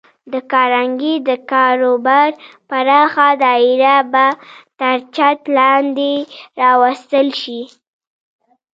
د کارنګي د کاروبار پراخه دایره به تر چت لاندې راوستل شي